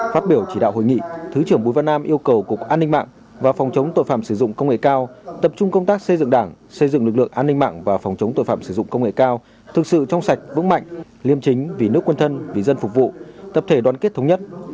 phát biểu chỉ đạo hội nghị thứ trưởng bùi văn nam yêu cầu cục an ninh mạng và phòng chống tội phạm sử dụng công nghệ cao tập trung công tác xây dựng đảng xây dựng lực lượng an ninh mạng và phòng chống tội phạm sử dụng công nghệ cao thực sự trong sạch vững mạnh liêm chính vì nước quân thân vì dân phục vụ tập thể đoàn kết thống nhất